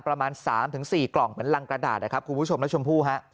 ประมาณ๓๔กล่องเหมือนรังกระดาษนะครับคุณผู้ชมและชมพู่ฮะ